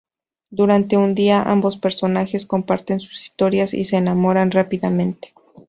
Durante un día, ambos personajes comparten sus historias y se enamoran rápidamente.